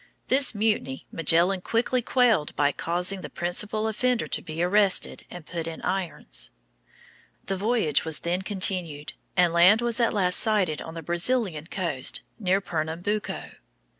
This mutiny Magellan quickly quelled by causing the principal offender to be arrested and put in irons. The voyage was then continued, and land was at last sighted on the Brazilian coast, near Pernambuco.